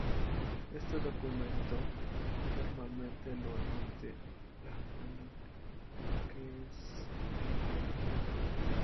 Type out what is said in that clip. Este documento normalmente lo emite la aduana a la que es enviada.